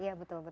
iya betul betul